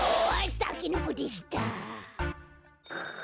たけのこでした。